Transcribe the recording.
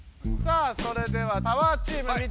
それではパワーチーム見ていきましょう。